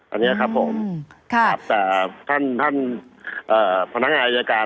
อันนี้ครับผมแต่ท่านพนักงานอายการ